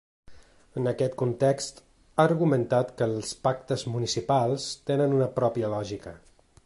En aquest context, ha argumentat que els pactes municipals tenen una pròpia lògica.